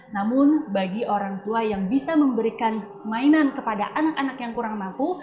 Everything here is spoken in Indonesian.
namun bagi orang tua yang bisa memberikan mainan kepada anak anak yang kurang mampu